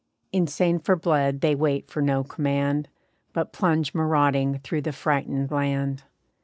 Insane for blood they wait for no command, But plunge marauding through the frightened land.